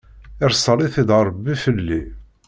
Irṣel-it-id Ṛebbi fell-i.